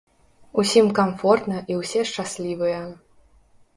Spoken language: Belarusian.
Усім камфортна і ўсе шчаслівыя.